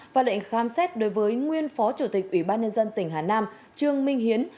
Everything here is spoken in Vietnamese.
và lệnh khám xét đối với nguyên phó chủ tịch ủy ban nhân dân tỉnh hà nam trương minh hiến